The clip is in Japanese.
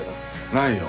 ないよ。